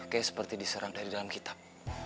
kayak seperti diserang dari dalam kitab